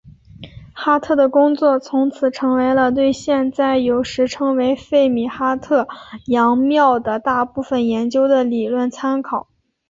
哈特的工作从此成为了对现在有时称为费米哈特佯谬的大部分研究的理论参考。